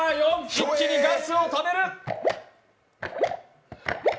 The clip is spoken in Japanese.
一気にガスをためる！